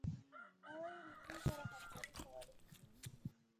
نوی رژیم سره همکاري کولای شي.